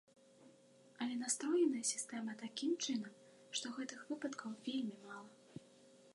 Але настроеная сістэма такім чынам, што гэтых выпадкаў вельмі мала.